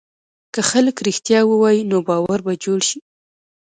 که خلک رښتیا ووایي، نو باور به جوړ شي.